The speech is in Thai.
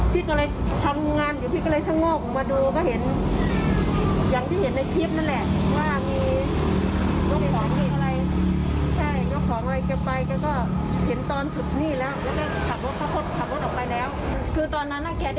แกเขาพยายามปกป้องของแกคืออันนี้ประมาณนู้นแหละ